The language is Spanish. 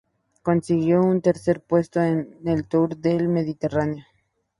Consiguió un tercer puesto en el Tour del Mediterráneo.